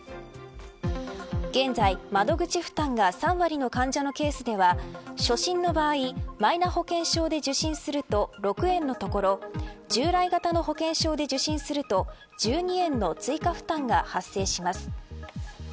現在、窓口負担が３割の患者のケースでは初診の場合マイナ保険証で受診すると６円のところ従来型の保険証で受診すると１２円の追加負担が発生します。